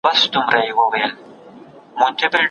ترنګ بهېږي او سیند د غاړې تر غاړې ډک دی.